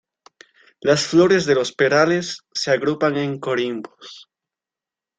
Las flores de los perales se agrupan en corimbos.